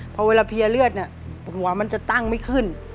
เพราะเวลาเพียเลือดผมว่ามันจะตั้งไม่ขึ้น